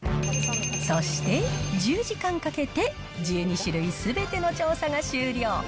そして、１０時間かけて１２種類すべての調査が終了。